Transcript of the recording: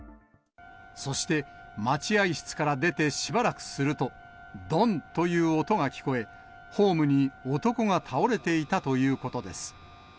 そして、待合室から出てしばらくすると、どんという音が聞こえ、ホームに男が倒れていたということです。